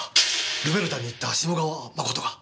ルベルタに行った志茂川真が！？